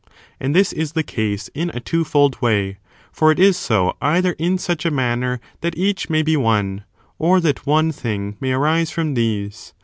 And this is the case in a twofold way ; for it is so either in such a manner that each may be one, or that one thing may arise from these.